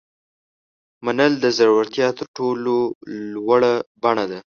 منل د زړورتیا تر ټولو لوړه بڼه ده.